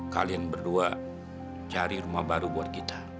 kalian berdua cari rumah baru buat kita